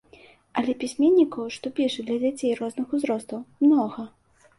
Але пісьменнікаў, што пішуць для дзяцей розных узростаў, многа.